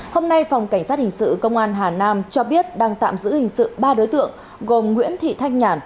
hôm nay phòng cảnh sát hình sự công an hà nam cho biết đang tạm giữ hình sự ba đối tượng gồm nguyễn thị thanh nhàn